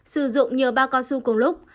sử dụng nhờ bao cao su cùng lúc